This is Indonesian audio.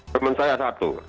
teman saya satu